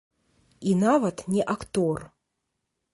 І нават не актор.